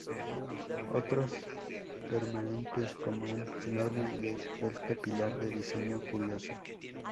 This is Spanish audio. Otras permanentes, como un enorme y esbelto pilar de diseño curioso.